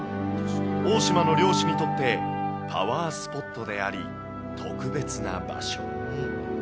大島の漁師にとって、パワースポットであり、特別な場所。